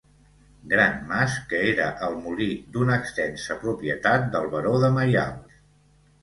Gran Mas que era el molí d'una extensa propietat del Baró de Maials.